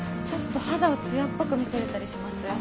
ちょっと肌を艶っぽく見せれたりします？